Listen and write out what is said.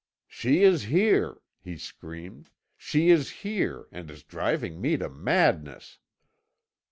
'She is here!' he screamed; 'she is here, and is driving me to madness!'